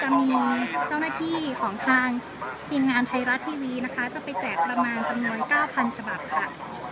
จะมีเจ้าหน้าที่ของทางทีมงานไทยรัฐทีวีนะคะจะไปแจกประมาณจำนวน๙๐๐ฉบับค่ะ